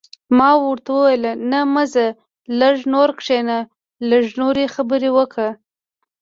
ما ورته وویل: نه، مه ځه، لږ نور کښېنه، لږ نورې خبرې وکړه.